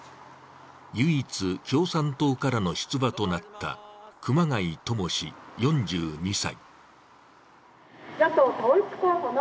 唯一、共産党からの出馬となった熊谷智氏４２歳。